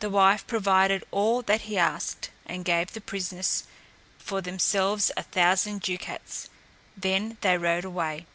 The wife provided all that he asked, and gave the prisoners for themselves a thousand ducats. Then they rode away.